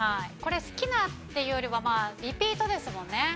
これ好きなっていうよりはリピートですもんね。